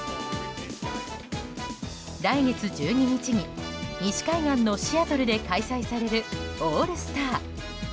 来月１１日に西海岸のシアトルで開催されるオールスター。